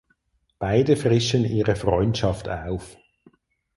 Beide frischen ihre Freundschaft auf.